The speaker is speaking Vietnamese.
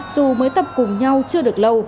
dù mới tập cùng nhau chưa được lâu